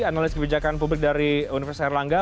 analis kebijakan publik dari universitas erlangga